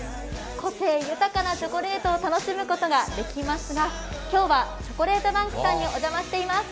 個性豊かなチョコレートを楽しむことができますが、今日はＣＨＯＣＯＬＡＴＥＢＡＮＫさんにお邪魔しています。